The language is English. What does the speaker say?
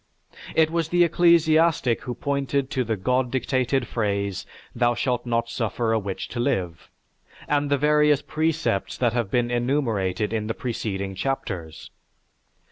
It was the ecclesiastic who pointed to the God dictated phrase, "Thou shalt not suffer a witch to live," and the various precepts that have been enumerated in the preceding chapters.